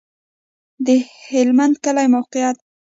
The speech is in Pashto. د هلمند کلی موقعیت